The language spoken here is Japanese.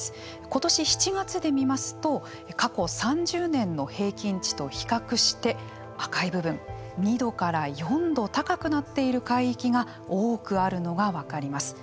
今年７月で見ますと過去３０年の平均値と比較して赤い部分２度から４度高くなっている海域が多くあるのが分かります。